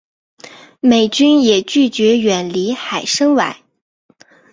美军也拒绝远离海参崴。